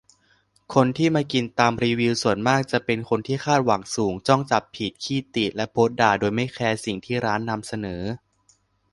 คนที่มากินตามรีวิวส่วนมากจะเป็นคนที่คาดหวังสูง จ้องจับผิด ขี้ติและโพสด่าโดยไม่แคร์สิ่งที่ร้านนำเสนอ